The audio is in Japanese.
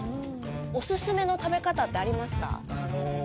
お勧めの食べ方ってありますか？